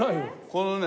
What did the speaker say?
このね